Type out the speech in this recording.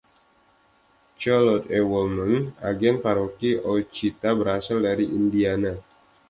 Collett E. Woolman, agen Paroki Ouachita, berasal dari Indiana.